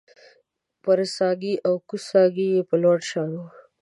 برڅاګی او کوزڅاګی یې په لوړ شان و